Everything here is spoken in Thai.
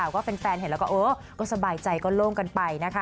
ก็แฟนเห็นแล้วก็เออก็สบายใจก็โล่งกันไปนะคะ